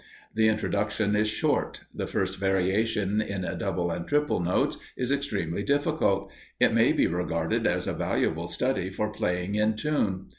The introduction is short. The first variation, in double and triple notes, is extremely difficult. It may be regarded as a valuable study for playing in tune.